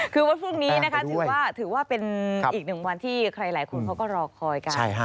คือวันพรุ่งนี้นะคะถือว่าเป็นอีกหนึ่งวันที่ใครหลายคนเขาก็รอคอยกัน